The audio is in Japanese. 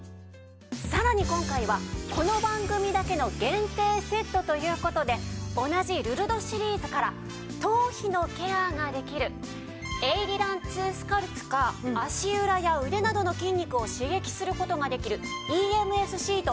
さらに今回はこの番組だけの限定セットという事で同じルルドシリーズから頭皮のケアができるエイリラン２スカルプか足裏や腕などの筋肉を刺激する事ができるＥＭＳシート